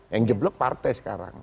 yang jeblok partai sekarang